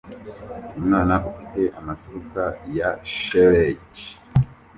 Umwana ufite amasuka ya shelegi